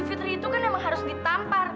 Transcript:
fitri itu memang harus ditampar